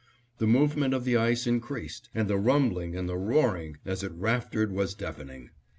The movement of the ice increased, and the rumbling and roaring, as it raftered, was deafening.